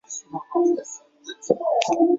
矮假龙胆为龙胆科假龙胆属下的一个种。